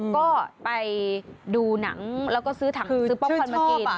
ก็ไปดูหนังแล้วก็ซื้อถังซื้อตำบลมาเกด